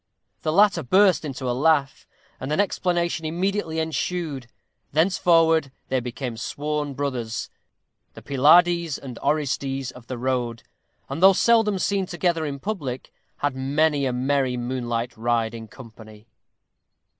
The latter burst into a laugh, and an explanation immediately ensued. Thenceforward they became sworn brothers the Pylades and Orestes of the road; and though seldom seen together in public, had many a merry moonlight ride in company.